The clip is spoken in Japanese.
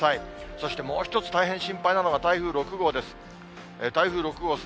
そして、もう一つ大変心配なのが、台風６号です。